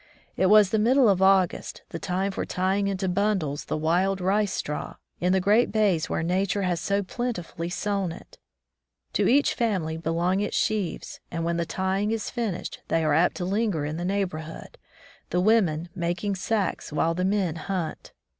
It was the middle of August, the time for tying into bundles the wild rice straw, in the great bays where nature has so plentifully sown it. To each family belong its sheaves, and when the tying is finished, they are apt to linger in the neighborhood, the women making sacks while the men hunt.